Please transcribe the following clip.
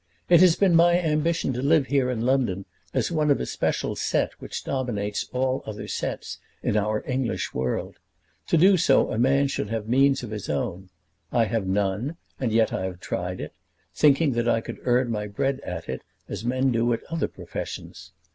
It has been my ambition to live here in London as one of a special set which dominates all other sets in our English world. To do so a man should have means of his own. I have none; and yet I have tried it, thinking that I could earn my bread at it as men do at other professions.